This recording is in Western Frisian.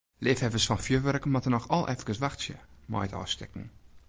Leafhawwers fan fjurwurk moatte noch al efkes wachtsje mei it ôfstekken.